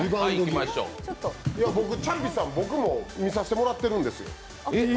ちゃぴさん、僕も見させてもらってるんですよ。